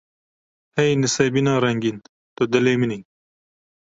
Hey Nisêbîna rengîn tu dilê min î.